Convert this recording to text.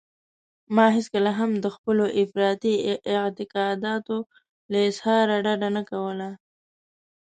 ما هېڅکله هم د خپلو افراطي اعتقاداتو له اظهاره ډډه نه کوله.